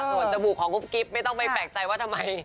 ส่วนจมูกของกุ๊บกิ๊บไม่ต้องไปแปลกใจว่าทำไม